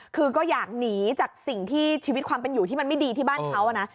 คือก็อยากหนีจากสิ่งที่ชีวิตความเป็นอยู่ที่มันไม่ดีที่บ้านเขานะ